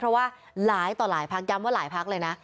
เพราะว่าหลายต่อหลายพักย้ำว่าหลายพักเลยนะ